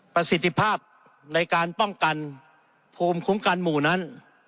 ประสิทธิภาพในการป้องกันภูมิคุ้มกันหมู่นั้น